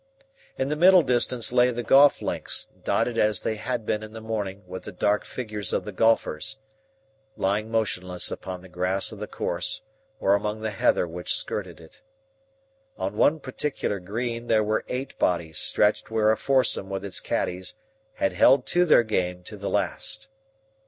In the middle distance lay the golf links, dotted as they had been in the morning with the dark figures of the golfers, lying motionless upon the grass of the course or among the heather which skirted it. On one particular green there were eight bodies stretched where a foursome with its caddies had held to their game to the last.